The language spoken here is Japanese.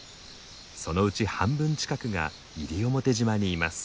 そのうち半分近くが西表島にいます。